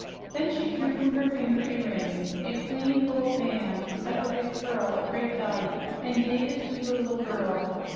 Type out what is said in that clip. Then she drew from her finger a ring, a plain gold band set with a pearl of great value, and gave it to the little girl.